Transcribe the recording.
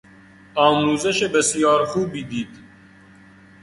آموزش بسیار خوبی دید.